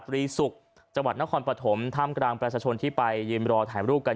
ริสุกจังหวัดนครปัถมถ้ามกรางแปรศชนที่ไปเย็นเมรอด์ถ่ายรูปกัน